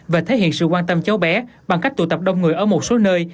và thể hiện sự quan tâm cháu bé bằng cách tụ tập đông người ở một số nơi